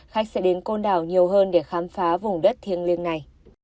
khách sẽ đến côn đảo nhiều hơn để khám phá vùng đất thiêng liêng này